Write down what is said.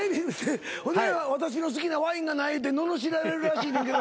私の好きなワインがないってののしられるらしいねんけど。